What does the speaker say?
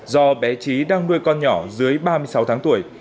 do bé trí đang nuôi con nhỏ dưới ba mươi sáu tháng tuổi